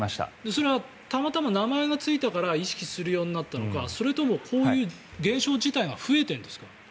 それはたまたま名前がついたから意識するようになったのかそれとも、こういう現象自体が増えているんですか。